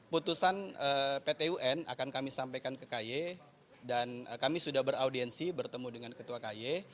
putusan ptun akan kami sampaikan ke kaye dan kami sudah beraudiensi bertemu dengan ketua kaye